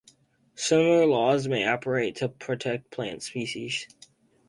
Similar laws may operate to protect plant species.